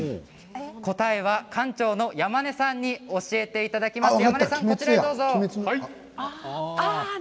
答えは館長の山根さんに教えていただきます。